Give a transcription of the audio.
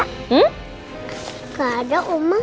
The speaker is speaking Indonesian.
gak ada om